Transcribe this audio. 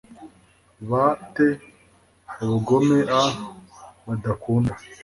ba te ubugome a badakunda